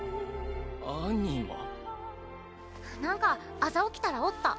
なんか朝起きたらおった。